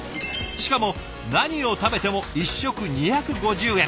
しかも何を食べても１食２５０円。